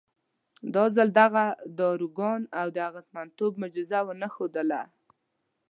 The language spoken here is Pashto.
دا ځل دغه داروګان د اغېزمنتوب معجزه ونه ښودله.